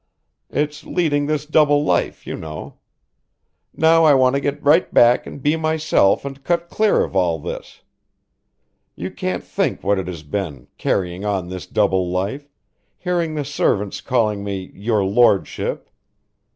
It's leading this double life, you know. Now I want to get right back and be myself and cut clear of all this. You can't think what it has been, carrying on this double life, hearing the servants calling me 'your lordship.'